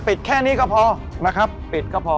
แค่นี้ก็พอนะครับปิดก็พอ